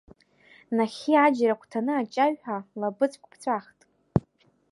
Нахьхьи аџьра агәҭаны аҷаҩ ҳәа лабыҵәк ԥҵәахт.